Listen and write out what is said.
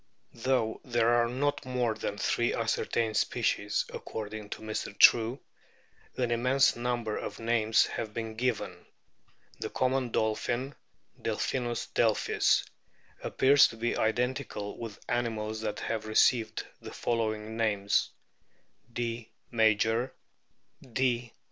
Though there are not more than three ascertained species (according to Mr. True), an immense number of names have been given. The Common Dolphin, Delphinus delphis, appears to be identical with animals that have received the following names : D. major, D.